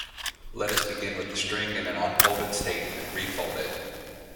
Let us begin with the string in an unfolded state, then refold it.